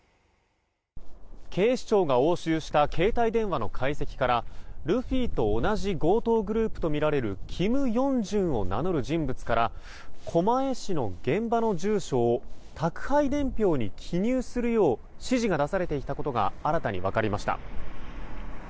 警視庁が押収した携帯電話の解析からルフィと同じ強盗グループとみられるキム・ヨンジュンを名乗る人物から狛江市の現場の住所を宅配伝票に記入するよう指示が出されていたことが新たに分かりました。